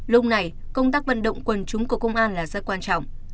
lúc này công tác vận động quần chúng của công an là rất quan trọng